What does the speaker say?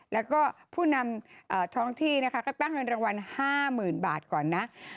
แล้วก็ผู้นำท้องที่นะคะก็ตั้งเงินรางวัล๕๐๐๐บาทก่อนนะ